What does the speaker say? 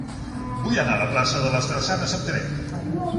Vull anar a la plaça de les Drassanes amb tren.